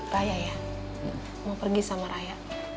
raya ya mau pergi sama raya